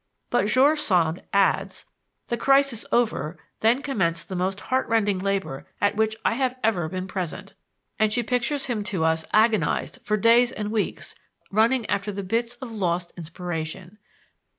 But George Sand adds: "The crisis over, then commenced the most heartrending labor at which I have ever been present," and she pictures him to us agonized, for days and weeks, running after the bits of lost inspiration.